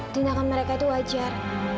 tindakan mereka itu wajar